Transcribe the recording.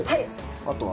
あとは。